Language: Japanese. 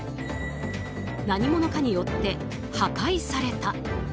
何者かによって破壊された。